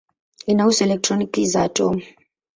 Inahusu elektroni za atomu.